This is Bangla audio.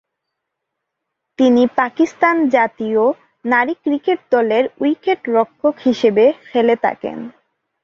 তিনি পাকিস্তান জাতীয় নারী ক্রিকেট দলের উইকেট-রক্ষক হিসেবে খেলে থাকেন।